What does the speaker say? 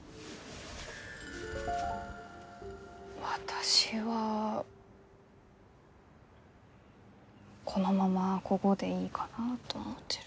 私はこのままこごでいいかなと思ってる。